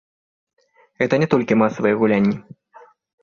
Гэта не толькі масавыя гулянні.